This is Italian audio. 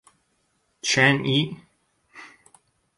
Chen Yi